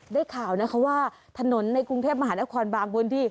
ได้ข่าวนะคะว่าถนนในกรุงเทพมหาลักษณ์ความบางบนที่